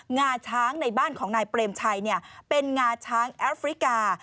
งาช้างในบ้านของนายเปรมชัยเป็นงาช้างแอฟริกา